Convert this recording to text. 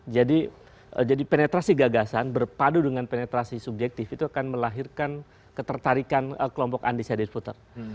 jadi penetrasi gagasan berpadu dengan penetrasi subjektif itu akan melahirkan ketertarikan kelompok undecided voter